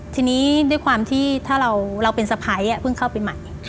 ทีนี้ด้วยความที่ถ้าเราเป็นสะพ้ายเพิ่งเข้าไปใหม่